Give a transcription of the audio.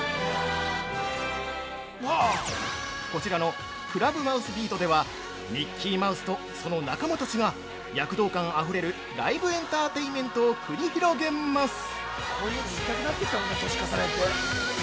こちらのクラブマウスビートではミッキーマウスとその仲間たちが躍動感あふれるライブエンターテインメントを繰り広げます。